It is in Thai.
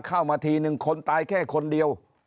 เข้ามาทีนึงคนตายแค่คนเดียว